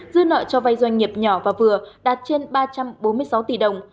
dư nợ cho vay doanh nghiệp nhỏ và vừa đạt trên ba trăm bốn mươi sáu tỷ đồng